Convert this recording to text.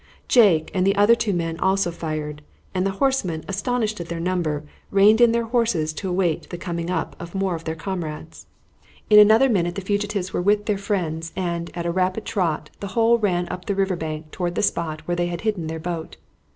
Jake and the other two men also fired, and the horsemen, astonished at their number, reined in their horses to await the coming up of more of their comrades. In another minute the fugitives were with their friends, and, at a rapid trot, the whole ran up the river bank toward the spot where they had hidden their boat.